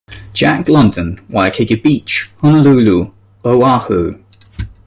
Jack London, Waikiki Beach, Honolulu, Oahu.